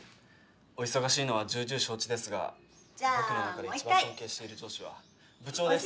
お忙しいのは重々承知ですが僕の中で一番尊敬している上司は部長です。